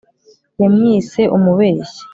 Yamwise umubeshyi